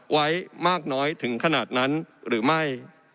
ไว้มากน้อยถึงขนาดนั้นหรือไม่